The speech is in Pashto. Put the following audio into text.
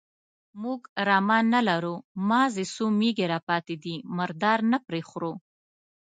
_موږ رمه نه لرو، مازې څو مېږې راپاتې دي، مردار نه پرې خورو.